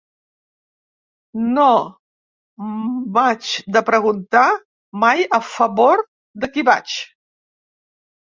No m'haig de preguntar mai a favor de qui vaig.